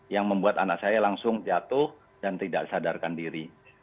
yang membuat anak saya langsung jatuh dan tidak sadarkan diri